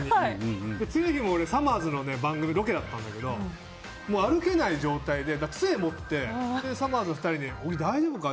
次の日も、さまぁずの番組のロケがあったんだけど歩けない状態で杖持って、さまぁずの２人が小木、大丈夫か？